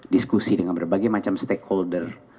diskusi dengan berbagai macam stakeholder